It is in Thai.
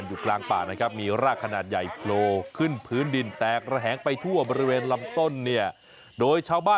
โดยชาวบ้านก็ทำการพิสูจน์จับมือล้อมนี่แหละครับเห็นไหม